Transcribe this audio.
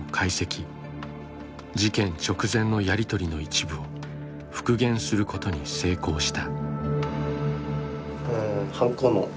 事件直前のやり取りの一部を復元することに成功した。